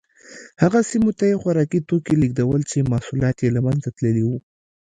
هغه سیمو ته یې خوراکي توکي لېږدول چې محصولات یې له منځه تللي وو